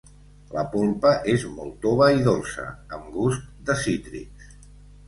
La polpa és molt tova i dolça amb gust de cítrics.